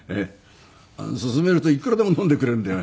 勧めるといくらでも飲んでくれるんでね。